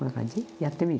やってみる？